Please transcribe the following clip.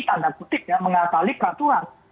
tanda putih ya mengatali peraturan